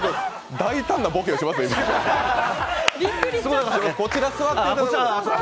大胆なボケをしますね。